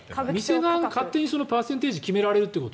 店側が勝手にパーセンテージを決められると。